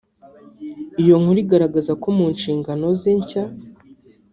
Iyo nkuru igaragaza ko mu nshingano ze nshya